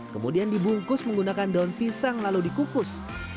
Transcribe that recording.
kemudian dibungkus menggunakan daun pisang lalu dikukus